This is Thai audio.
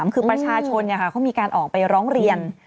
คือประชาชนเขามีการออกไปร้องเรียน